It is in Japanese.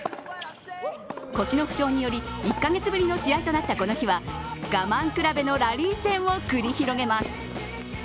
腰の負傷により１カ月ぶりの試合となったこの日は我慢比べのラリー戦を繰り広げます。